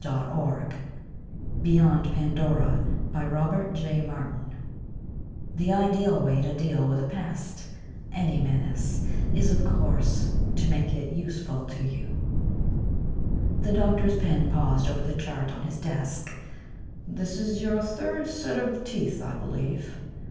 net Beyond Pandora The ideal way to deal with a pest any menace is, of course, to make it useful to you.... by Robert J. Martin The doctor's pen paused over the chart on his desk, "This is your third set of teeth, I believe?"